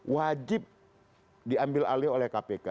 wajib diambil alih oleh kpk